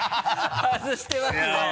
外してますね